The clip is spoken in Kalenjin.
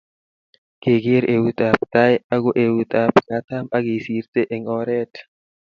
kegeer eitab tai ago eutab katam akisirte eng oret